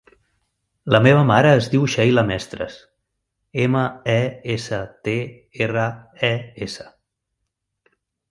La meva mare es diu Sheila Mestres: ema, e, essa, te, erra, e, essa.